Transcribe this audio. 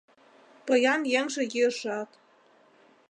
Поян еҥже йӱэшат